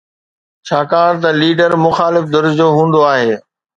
ڇاڪاڻ ته ليڊر مخالف ڌر جو هوندو آهي.